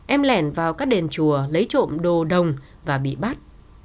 em lẻn vào các đền chùa lấy trộm đồ đồng và bị bắt